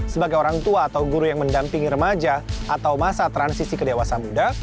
sebagai orang tua atau guru yang mendampingi remaja atau masa transisi ke dewasa muda